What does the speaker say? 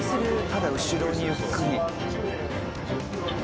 ただ後ろにゆっくり。